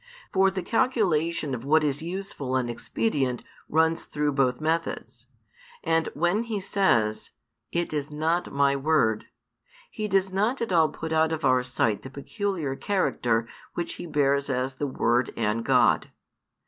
For the calculation of what is useful and expedient runs through both methods. And when He says, "It is not My word," He does not at all put out of our sight the peculiar character which He bears as the Word and God.